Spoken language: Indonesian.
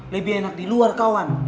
lebih enak di luar kawan